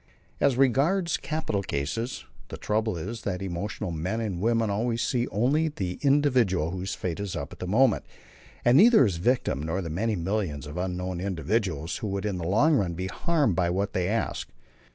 As regards capital cases, the trouble is that emotional men and women always see only the individual whose fate is up at the moment, and neither his victim nor the many millions of unknown individuals who would in the long run be harmed by what they ask.